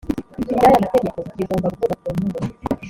ry aya mategeko bigomba gukorwa ku nyungu